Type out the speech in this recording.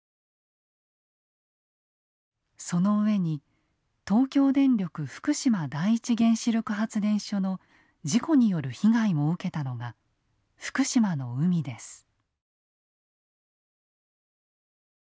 その上に東京電力福島第一原子力発電所の事故による被害も受けたのが福島の海です。